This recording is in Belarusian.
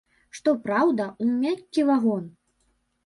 Што праўда, у мяккі вагон.